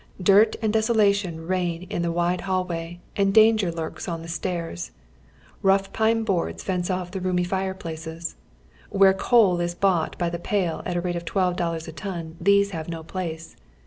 Dii't and desolation reign in the wide hallway, and danger lurks on the stairs. Rough pine boards fence off the roomy fire places — where coal is bought by the pail at tlie rate of twelve dollars a ton these have no ])lace.